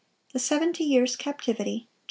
the seventy years' captivity (Jer.